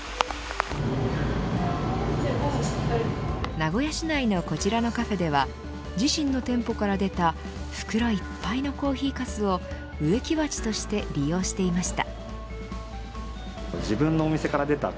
名古屋市内のこちらのカフェでは自身の店舗から出た袋いっぱいのコーヒーかすを植木鉢として利用していました。